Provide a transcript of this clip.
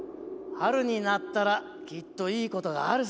春になったらきっといいことがあるさ。